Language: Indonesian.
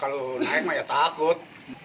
kalau naik mah ya takut